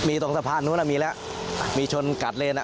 มีตรงสะพานนู้นมีแล้วมีชนกัดเลนนะ